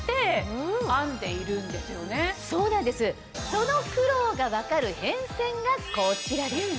その苦労が分かる変遷がこちらです。